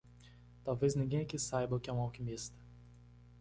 Talvez ninguém aqui saiba o que é um alquimista!